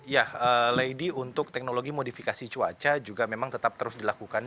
ya lady untuk teknologi modifikasi cuaca juga memang tetap terus dilakukan